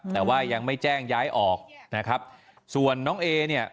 แต่ว่ายังไม่แจ้งย้ายออกนะครับส่วนน้องเอเนี่ย